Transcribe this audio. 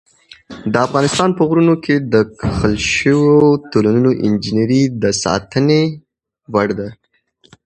د افغانستان په غرونو کې د کښل شویو تونلونو انجینري د ستاینې وړ ده.